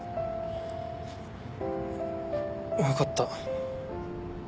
分かった。